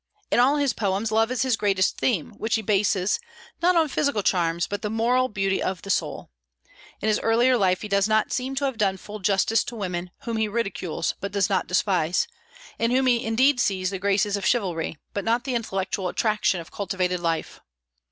In all his poems, love is his greatest theme, which he bases, not on physical charms, but the moral beauty of the soul. In his earlier life he does not seem to have done full justice to women, whom he ridicules, but does not despise; in whom he indeed sees the graces of chivalry, but not the intellectual attraction of cultivated life.